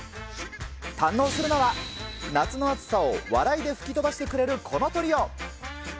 堪能するのは、夏の暑さを笑いで吹き飛ばしてくれるこのトリオ。